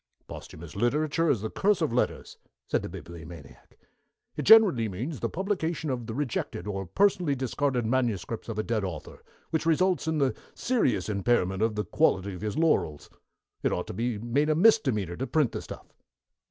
"Posthumous literature is the curse of letters," said the Bibliomaniac. "It generally means the publication of the rejected, or personally discarded, manuscripts of a dead author, which results in the serious impairment of the quality of his laurels. It ought to be made a misdemeanor to print the stuff."